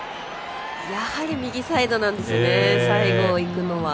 やはり右サイドなんですね最後、いくのは。